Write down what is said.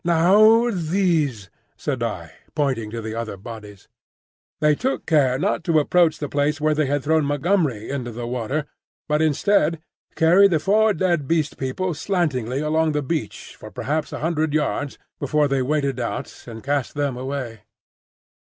"Now these," said I, pointing to the other bodies. They took care not to approach the place where they had thrown Montgomery into the water, but instead, carried the four dead Beast People slantingly along the beach for perhaps a hundred yards before they waded out and cast them away.